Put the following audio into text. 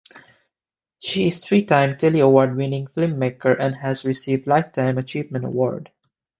She is three time Telly Award winning filmmaker and has received lifetime achievement award.